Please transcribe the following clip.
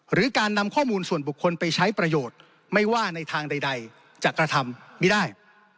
หรือการนำข้อมูลส่วนบุคคลไปใช้ประโยชน์ไม่ว่าในทางใดจะกระทำไม่ได้